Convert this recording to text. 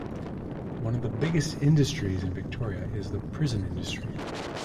One of the biggest industries in Victoria is the prison industry.